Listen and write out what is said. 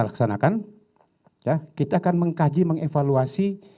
laksanakan kita akan mengkaji mengevaluasi